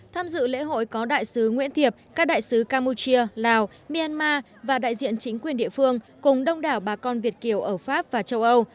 tham dự lễ hội có đại sứ nguyễn thiệp các đại sứ campuchia lào myanmar và đại diện chính quyền địa phương cùng đông đảo bà con việt kiều ở pháp và châu âu